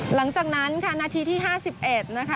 หลังจากนั้นค่ะนาทีที่๕๑นะคะ